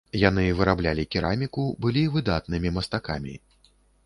Яны выраблялі кераміку, былі выдатнымі мастакамі.